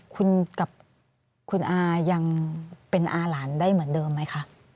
คุณกับคุณอายังเป็นอาหลานได้เหมือนเดิมไหมคะ